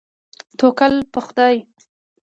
توکل په خدای.